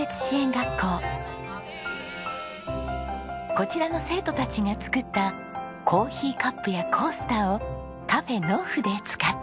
こちらの生徒たちが作ったコーヒーカップやコースターをｃａｆｅｎｆｕで使っているんです。